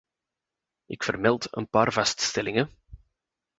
Ik vermeld een paar vaststellingen.